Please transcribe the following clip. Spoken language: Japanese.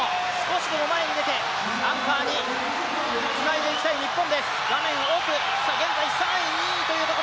ここは少しでも前に出てアンカーにつないでいきたい日本。